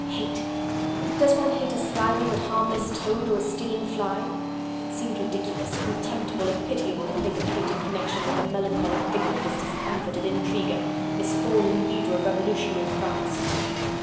Hate? Does one hate a slimy but harmless toad or a stinging fly? It seemed ridiculous, contemptible and pitiable to think of hate in connection with the melancholy figure of this discomfited intriguer, this fallen leader of revolutionary France.